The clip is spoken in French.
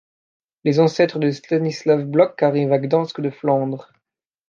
Les ancêtres de Stanisław Blok arrivent à Gdańsk de Flandre.